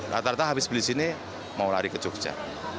rata rata habis beli sini mau lari ke jogja